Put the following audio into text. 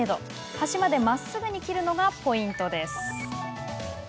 端までまっすぐに切るのがポイントです。